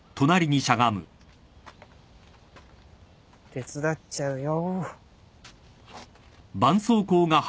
手伝っちゃうよ。